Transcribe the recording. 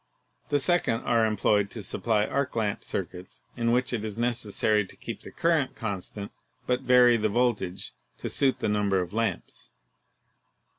The second are employed to supply arc lamp circuits in which it is necessary to keep the current constant but vary the voltage to suit the number of lamps.